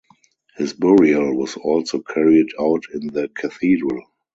His burial was also carried out in the cathedral.